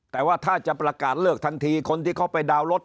แต่ว่าถ้าจะประกาศเลิกทันทีคนที่เขาไปดาวน์รถ